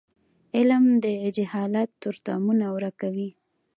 علم د جهالت تورتمونه ورکوي.